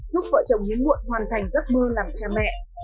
giúp vợ chồng hiến muộn hoàn thành giấc mơ làm cha mẹ